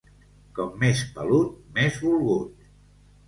Com més pelut, més volgut.